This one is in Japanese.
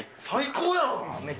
最高やん。